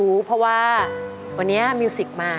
รู้เพราะว่าวันนี้มิวสิกมา